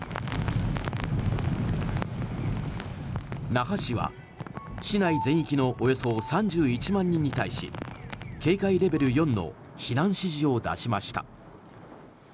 那覇市は市内全域のおよそ３１万人に対し警戒レベル４の避難指示を出しました。